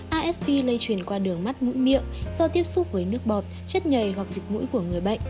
afp lây truyền qua đường mắt mũi miệng do tiếp xúc với nước bọt chất nhầy hoặc dịch mũi của người bệnh